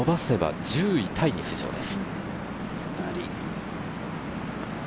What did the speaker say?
伸ばせば１０位タイに浮上です。